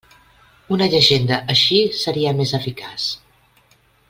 Una llegenda així seria més eficaç.